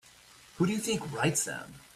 Who do you think writes them?